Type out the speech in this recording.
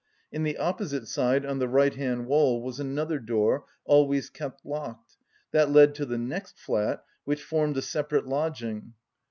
In the opposite side on the right hand wall was another door, always kept locked. That led to the next flat, which formed a separate lodging.